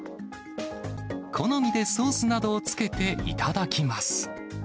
好みでソースなどをつけて頂きます。